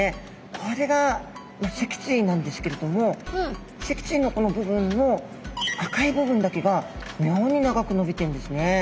これが脊椎なんですけれども脊椎のこの部分の赤い部分だけが妙に長く伸びてんですね。